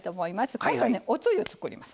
今度はおつゆ作ります。